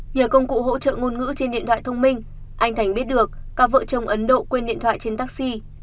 nhờ công cụ hỗ trợ ngôn ngữ trên điện thoại thông minh anh thành biết được các vợ chồng ấn độ quên điện thoại trên taxi